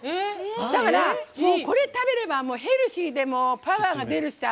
だから、これ食べればヘルシーでパワーが出るしさ。